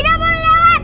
biar aku khiruh lalu